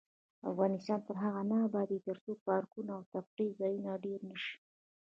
افغانستان تر هغو نه ابادیږي، ترڅو پارکونه او تفریح ځایونه ډیر نشي.